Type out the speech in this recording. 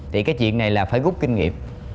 thì cái chuyện này là phải rút kinh nghiệm